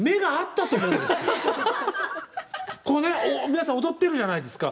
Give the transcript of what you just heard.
皆さん踊ってるじゃないですか。